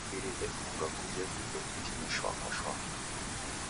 Imbiri efunga kuje vindo vitini shwa kwa shwa.